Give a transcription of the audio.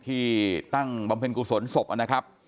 ที่ตั้งบำเพ็ญกุศลศพนะครับ